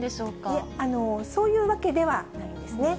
いえ、そういうわけではないんですね。